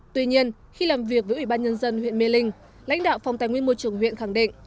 tuy nhiên khi làm việc với ủy ban nhân dân huyện mê linh lãnh đạo phòng tài nguyên môi trường huyện khẳng định